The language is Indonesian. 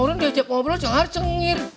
ya orang deh cak ngobrol cengar cengir